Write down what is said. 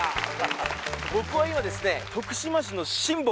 僕は今ですね